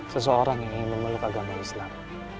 seseorang yang ingin memeluk agama islam